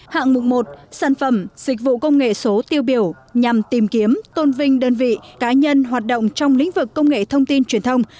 hạng mục một sản phẩm dịch vụ công nghệ số tiêu biểu nhằm tìm kiếm tôn vinh đơn vị cá nhân hoạt động trong lĩnh vực công nghệ thông tin truyền thông